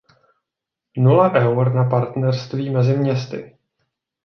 Nula eur na partnerství mezi městy!